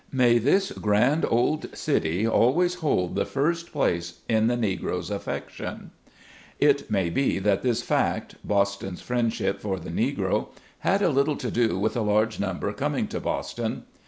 May this grand old city always hold the first place in the Negro's affection. 110 SLAVE CABIN TO PULPIT. It may be that this fact — Boston's friendship for the Negro — had a little to do with a large number coming to Boston.